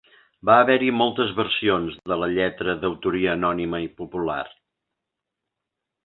Va haver-hi moltes versions de la lletra d'autoria anònima i popular.